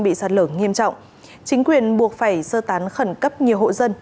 bị sạt lở nghiêm trọng chính quyền buộc phải sơ tán khẩn cấp nhiều hộ dân